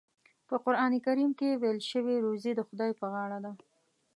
په قرآن کریم کې ویل شوي روزي د خدای په غاړه ده.